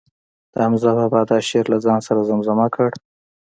د حمزه بابا دا شعر له ځان سره زمزمه کړ.